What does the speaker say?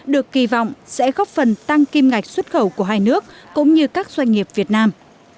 được kỳ vọng sẽ góp phần tăng kim ngạch xuất khẩu của hai nước cũng như các doanh nghiệp việt nam